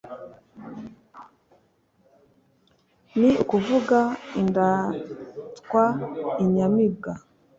ni ukuvuga indatwainyamibwa